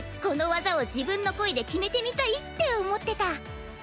この技を自分の声できめてみたいって思ってた。